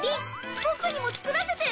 ボクにも作らせて！